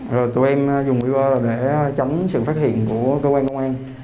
rồi tụi em dùng vĩ vơ để tránh sự phát hiện của cơ quan công an